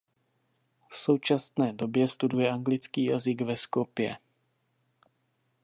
V současné době studuje anglický jazyk ve Skopje.